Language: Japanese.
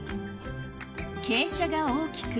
傾斜が大きく